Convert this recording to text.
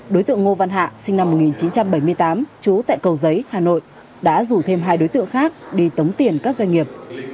đối tượng ngô văn hạ sinh năm một nghìn chín trăm bảy mươi tám trú tại cầu giấy hà nội đã rủ thêm hai đối tượng khác đi tống tiền các doanh nghiệp